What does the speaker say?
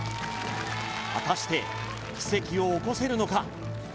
果たして奇跡を起こせるのか？